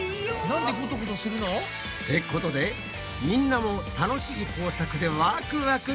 なんでゴトゴトするの？ってことでみんなもワクワク！